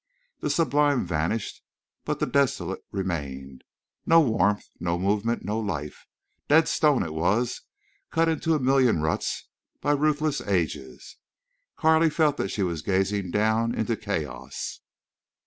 The sublime vanished, but the desolate remained. No warmth—no movement—no life! Dead stone it was, cut into a million ruts by ruthless ages. Carley felt that she was gazing down into chaos.